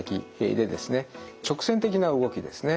直線的な動きですね。